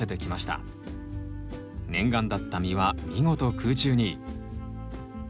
念願だった実は見事空中に！